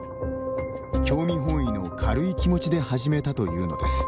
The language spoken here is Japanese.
興味本意の軽い気持ちで始めたというのです。